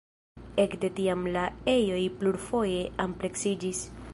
Ekde tiam la ejoj plurfoje ampleksiĝis.